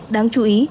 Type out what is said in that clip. đáng chú ý